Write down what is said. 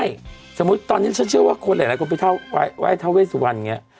ได้สมมุติตอนนี้ฉันเชื่อว่าคนหลายคนไปไหว้ทาวเวสวรเนี่ย